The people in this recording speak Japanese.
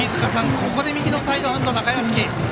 ここで右のサイドハンド、中屋敷。